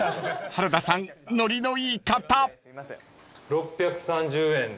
６３０円です。